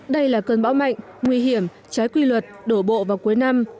đây là cơn bão mạnh nguy hiểm trái quy luật đổ bộ vào cuối năm